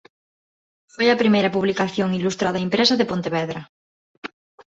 Foi a primeira publicación ilustrada impresa de Pontevedra.